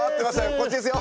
こっちですよ。